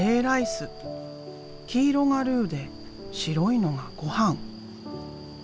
黄色がルーで白いのがごはん。